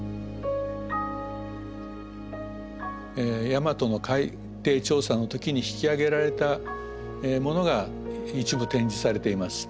大和の海底調査の時に引き揚げられたものが一部展示されています。